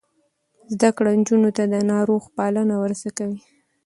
زده کړه نجونو ته د ناروغ پالنه ور زده کوي.